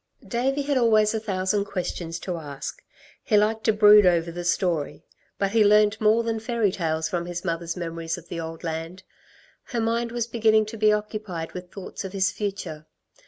Davey had always a thousand questions to ask. He liked to brood over the story; but he learnt more than fairy tales from his mother's memories of the old land. Her mind was beginning to be occupied with thoughts of his future.